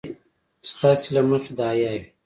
ستاسې له مخې د حيا وي.